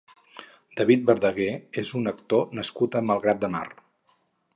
David Verdaguer és un actor nascut a Malgrat de Mar.